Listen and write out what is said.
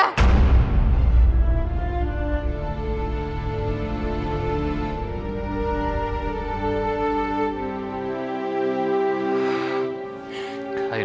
kak kak iko kak nur